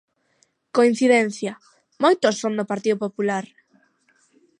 Coincidencia, ¡moitos son do Partido Popular!